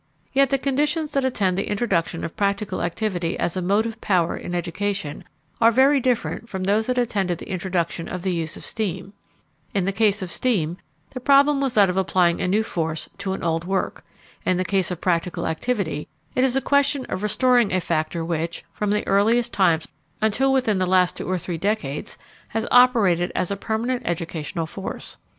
Yet the conditions that attend the introduction of practical activity as a motive power in education are very different from those that attended the introduction of the use of steam. In the case of steam the problem was that of applying a new force to an old work. In the case of practical activity it is a question of restoring a factor which, from the earliest times until within the last two or three decades, has operated as a permanent educational force.